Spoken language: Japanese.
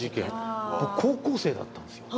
僕高校生だったんですよ。